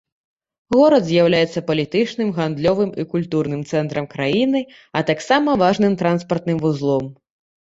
Горад з'яўляецца палітычным, гандлёвым і культурным цэнтрам краіны, а таксама важным транспартным вузлом.